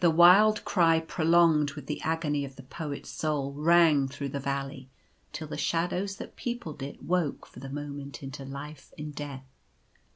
Thewildcry prolonged with the agony of the Poet'ssoul rang through the Valley, till the shadows that peopled it woke for the moment into life in death.